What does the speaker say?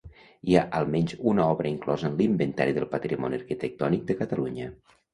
Hi ha almenys una obra inclosa en l'Inventari del Patrimoni Arquitectònic de Catalunya.